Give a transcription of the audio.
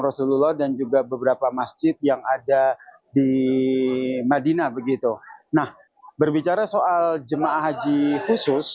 rasulullah dan juga beberapa masjid yang ada di madinah begitu nah berbicara soal jemaah haji khusus